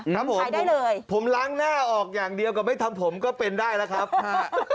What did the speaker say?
ขายได้เลยครับผมผมล้างหน้าออกอย่างเดียวกับไม่ทำผมก็เป็นได้แล้วครับค่ะ